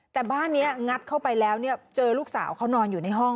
แต่บ้านนี้งัดเข้าไปแล้วเนี่ยเจอลูกสาวเขานอนอยู่ในห้อง